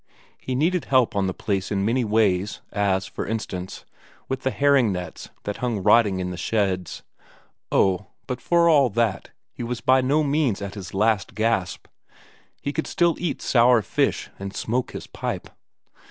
He needed help on the place in many ways, as, for instance, with the herring nets that hung rotting in the sheds. Oh, but for all that he was by no means at his last gasp; he could still eat sour fish and smoke his pipe.